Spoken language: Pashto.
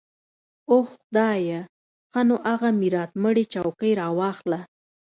اوح خدايه ښه نو اغه ميراتمړې چوکۍ راواخله.